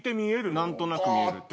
何となく見えるって。